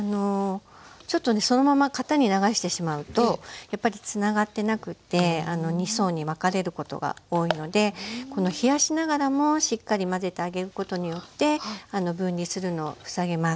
ちょっとねそのまま型に流してしまうとやっぱりつながってなくて２層に分かれることが多いのでこの冷やしながらもしっかり混ぜてあげることによって分離するのを防げます。